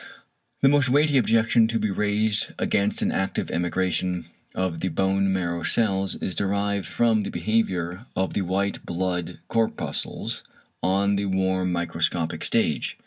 The most weighty objection to be raised against an active emigration of the bone marrow cells is derived from the behaviour of the white blood corpuscles on the warm microscopic stage.